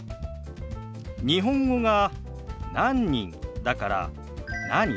日本語が「何人」だから「何？」